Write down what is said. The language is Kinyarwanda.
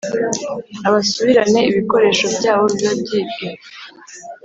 abasubirane ibikoresho byabo biba byibwe